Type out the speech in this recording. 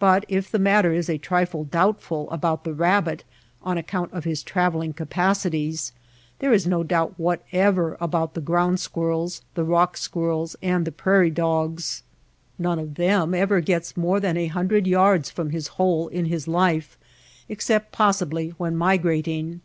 But if the matter is a trifle doubtful about the rabbit on account of his traveling capacities, there is no doubt whatever about the ground squirrels, the rock squirrels, and the prairie dogs. None of them ever gets more than a hun dred yards from his hole in his life, except pos sibly when migrating.